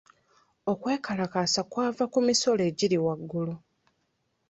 Okwekalakaasa kwava ku misolo egiri waggulu.